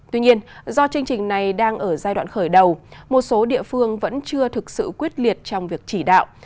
tuy nhiên do chương trình này đang ở giai đoạn khởi đầu một số địa phương vẫn chưa thực sự quyết liệt trong việc chỉ đạo